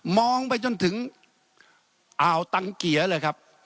องไปจนถึงอ่าวตังเกียร์เลยครับ